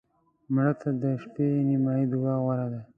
مړه ته د شپه نیمایي دعا غوره ده